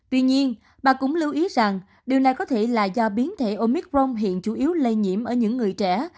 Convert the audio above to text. tuy nhiên bà cũng lưu ý rằng điều này có thể là do biến thể omicron hiện chủ yếu lây nhiễm ở những người trẻ